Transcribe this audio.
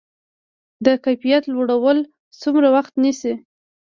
د کیفیت لوړول څومره وخت نیسي؟